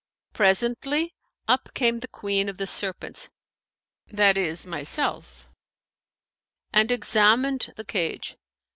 Presently, up came the Queen of the Serpents (that is, myself) and examined the cage.